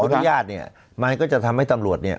อนุญาตเนี่ยมันก็จะทำให้ตำรวจเนี่ย